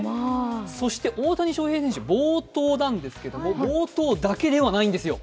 そして大谷翔平選手、冒頭なんですけど、冒頭だけではないんですよ。